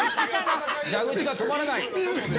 蛇口が止まらない。